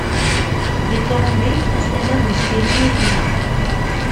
Di ṭunubil, ad as-tiniḍ di ssilun i tella.